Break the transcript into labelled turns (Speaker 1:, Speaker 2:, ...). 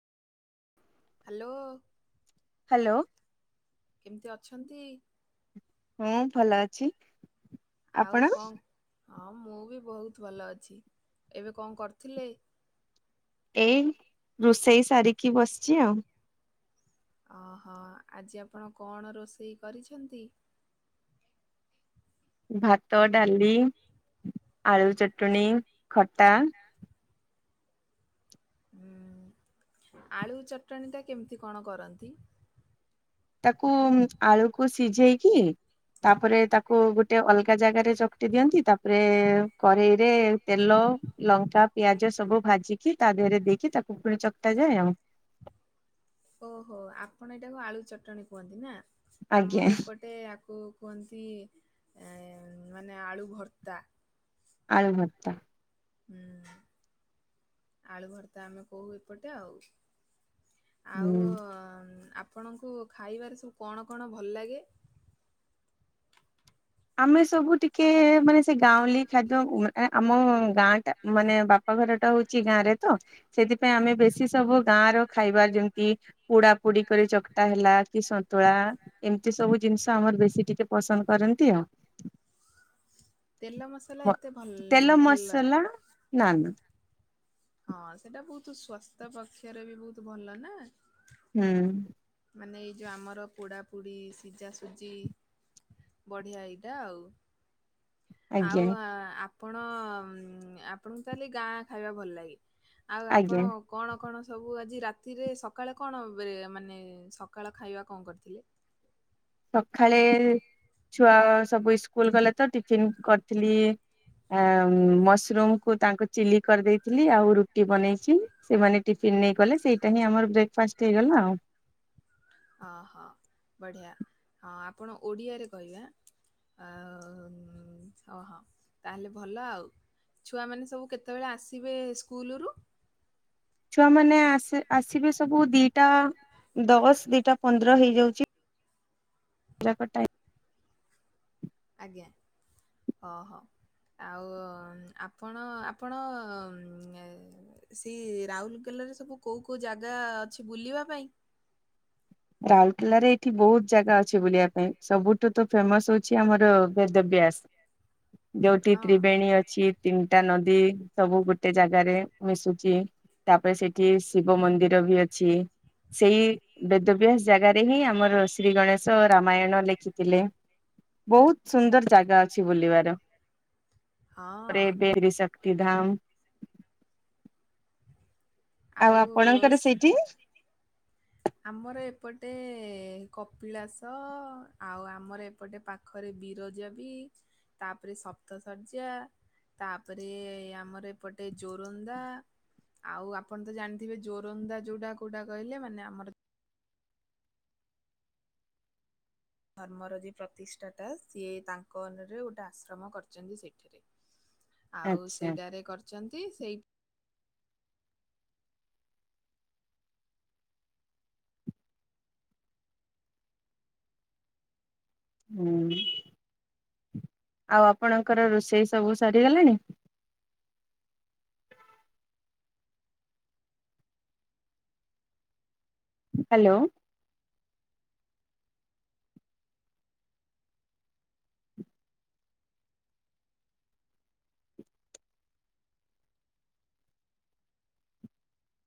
Speaker 1: Hello.
Speaker 2: Hello.
Speaker 1: କେମିତି ଅଛନ୍ତି?
Speaker 2: ହଁ ଭଲ ଅଛି।
Speaker 1: ଆଉ
Speaker 2: ଆପଣ
Speaker 1: କଣ ହଁ ମୁଁ ବି ବହୁତ ଭଲ ଅଛି। ଏବେ କଣ କରୁଥିଲେ?
Speaker 2: ଏଇ ରୋଷେଇ ସାରିକି ବସିଚି ଆଉ।
Speaker 1: ଓହୋ ଆଜି ଆପଣ କଣ ରୋଷେଇ କରିଛନ୍ତି?
Speaker 2: ଭାତ ଡାଲି ଆଳୁ ଚଟଣି ଖଟା।
Speaker 1: ହୁଁ ଆଳୁ ଚଟଣି ଟା କେମିତି କଣ କରନ୍ତି?
Speaker 2: ତାକୁ ଆଳୁକୁ ସିଝେଇକି ତାପରେ ତାକୁ ଗୋଟେ ଅଲ ଗା ଜାଗାରେ ଚକଟି ଦିଅନ୍ତି। ତାପରେ କରେଇରେ ତେଲ, ଲଙ୍କା, ପିଆଜ ସବୁ ଭାଜିକି ତା ଦେହରେ ଦେଇକି ତାକୁ ପୁରା ଚକଟ ଯାଏ ଆଉ।
Speaker 1: ଓହୋ ଆପଣ ଏଇଟାକୁ ଆଳୁ ଚଟଣି କୁହନ୍ତି ନା
Speaker 2: ଆଜ୍ଞା
Speaker 1: ଆମର ଏପଟେ ଆକୁ କୁହନ୍ତି ଏ ମାନେ ଆଳୁ ଭର୍ତ୍ତା।
Speaker 2: ଆଳୁ ଭର୍ତ୍ତା।
Speaker 1: ହୁଁ ଆଳୁ ଭର୍ତା ଆମେ କହୁ ଏପଟେ ଆଉ। ଆଉ
Speaker 2: ହୁଁ।
Speaker 1: ଆ ପଣଙ୍କୁ ଖାଇବାରେ ସବୁ କଣ କଣ ଭଲ ଲାଗେ?
Speaker 2: ଆମେ ସବୁ ଟିକେ ମାନେ ସେ ଗାଉଲି ଖାଦ୍ୟ ଉ ଆ ଆମ ଗାଁ ଟା ମାନେ ବା ପ ଘର ଟା ହଉଚି ଗାଁ ରେ ତ ସେଥିପାଇଁ ଆମେ ବେଶୀ ସବୁ ଗାଁର ଖାଇବା ଯେମତି ପୋଡା ପୋ ଡିକରି ଚକଟା ହେଲା କି ସନ୍ତୁଳା ଏମିତି ସବୁ ଜିନିଷ ଆମର ବେଶୀ ଟିକେ ପସନ୍ଦ କରନ୍ ନ୍ତି ଆଉ।
Speaker 1: ତେଲ ମସଲା ଏତେ ଭଲ
Speaker 2: ତେଲ
Speaker 1: ଭଲ
Speaker 2: ମସଲା ନା ନା।
Speaker 1: ହଁ ସେଟା ବହୁତ ସ୍ବସ୍ଥ୍ୟ ପକ୍ଷରେ ବି ବହୁତ ଭଲ ନା।
Speaker 2: ହୁଁ।
Speaker 1: ମାନେ ଏଇ ଯଉଁ ଆମର ପୋଡ଼ାପୋଡ଼ି ସିଝାସୁଜି। ବଢିଆ ଏଇଟା ଆଉ। ଆଉ
Speaker 2: ଆଜ୍ଞା
Speaker 1: ଆ- ଆପଣ ଆପଣଙ୍କୁ ତାହଲେ ଗାଁ ଖାଇବା ଭଲ ଲାଗେ? ଆଉ ଆପଣ
Speaker 2: ଆଜ୍ଞା
Speaker 1: କଣ କଣ ସବୁ ଆଜି ରାତିରେ ସକାଳେ କଣ ବ୍ରିଏ ମାନେ ସକାଳ ଖାଇବା କଣ କରିଥିଲେ?
Speaker 2: ସଖାଳେ ଛୁଆ ସବୁ ଇସ୍କୁଲ ଗଲେ ତ ଟିଫିନ କରିଥିଲି। ଆ ମସରୁମକୁ ତାଙ୍କୁ ଚିଲି କରିଦେଇଥିଲି ଆଉ ରୁଟି ବନେଇକି ସେମାନେ ଟିଫି ନ ନେଇଗଲେ ସେଇଟା ହିଁ ଆମର ବ୍ରେକ୍ଫାଷ୍ଟ ହେଇଗଲା ଆଉ।
Speaker 1: ଅହଁ ବଢ଼ିଆ ହଁ ଆପଣ ଓଡ଼ିଆରେ କହିବେ ଆ। ଆଉ ହଁ ହଁ ତାହେଲେ ଭଲ ଆଉ। ଛୁଆମାନେ ସବୁ କେତେବେଳେ ଆସିବେ ସ୍କୁଲରୁ?
Speaker 2: ଛୁଆମାନେ ଆସ ଆସିବେ ସବୁ ଦିଇଟା ଦଶ ଦିଟା ପନ୍ଦର ହେଇଯାଉଚି। ପିଲାକ ଟାଇ
Speaker 1: ଆଜ୍ଞା ଓ ହୋ। ଆଉ ଆପଣ ଆପଣ ସେ ରାଉଲ କେଲ୍ ଲାଜେ କୋଉ କୋଉ ଜାଗା ଅଛି ବୁଲିବା ପାଇଁ?
Speaker 2: [inaudible] ରାଉରକେଲାରେ ଏଇଠି ବହୁତ ଜାଗା ଅଛି ବୁଲିବା ପାଇଁ ସବୁଠୁ ତ ଫେମସ ହଉଚି ଆମର ବେଦବ୍ୟାସ। ଯୋଉଠି
Speaker 1: ହଁ।
Speaker 2: ତ୍ରିବେଣୀ ଅଛି ତିନିଟା ନ ଦି ସବୁ ଗୋଟେ ଜାଗାରେ ମିଶୁଚି। ତାପରେ ସେଠି ଶିବ ମନ୍ଦିର ବି ଅଛି ସେଇ ବେ ଦିବ୍ୟାସ ଜାଗାରେ ହିଁ ଆମର ଶ୍ରୀ ଗଣେଶ ରାମାୟଣ ଲେଖିଥିଲେ। ବହୁତୁ ସୁନ୍ଦର ଜାଗା ଅଛି ବୁଲିବାର। ତା ପରେ
Speaker 1: ହଁ
Speaker 2: ଏବେ ତ୍ରିଶକ୍ତି ଧାମ। ଆଉ ଆପଣଙ୍କର ସେଇଠି?
Speaker 1: ଆମର ଏପଟେ କପିଳାସ ଆଉ ଆମର ଏପଟେ ପାଖରେ ବିରଜା ବି ତାପରେ ସପ୍ତ ଶର୍ଯ୍ୟା। ତାପରେ ଆମର ଏପଟେ ଜୋରନ୍ଦା। ଆଉ ଆପଣ ତ ଜାଣିଥିବେ ଜୋରନ୍ଦା ଯୋଉଟା କୋଉଟା କହିଲେ ମାନେ ଆମ ଧର୍ମର ଯେ ପ୍ରତିଷ୍ଠା ତା ସିଏ ତାଙ୍କ ଅନରେ ଗୋଟେ ଆଶ୍ରମ କରିଛନ୍ତି ସେଇଠି। ଆଉ
Speaker 2: ଆଚ୍ଛା
Speaker 1: ସେଇଟାରେ କରିଛନ୍ତି ସେଇ
Speaker 2: ହୁଁ। ଆଉ ଆପଣଙ୍କର ରୋଷେଇ ସବୁ ସରିଗଲାଣି? ହ୍ୟାଲୋ।